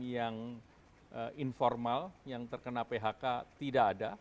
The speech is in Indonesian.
yang informal yang terkena phk tidak ada